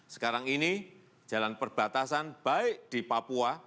sekarang ini jalan perbatasan baik di papua